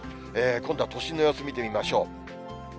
今度は都心の様子見てみましょう。